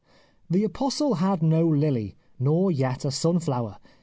The apostle had no lily, nor yet a sunflower.